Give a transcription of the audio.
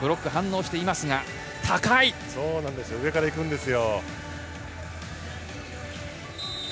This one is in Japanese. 上から行くんですよ。